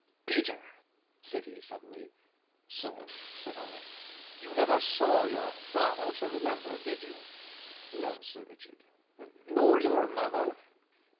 "Peter," said he suddenly. "Sir?" said I. "You never saw your father to remember, did you?" "No, Sir Richard." "Nor your mother?"